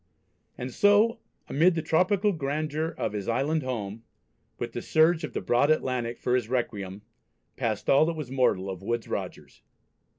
And so, amid the tropical grandeur of his island home, with the surge of the broad Atlantic for his requiem, passed all that was mortal of Woodes Rogers.